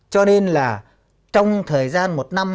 cho nên là trong thời gian một năm